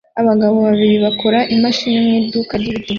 Abagabo babiri bakora imashini mu iduka ryibiti